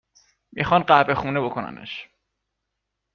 میخان قهوه خونه بکننش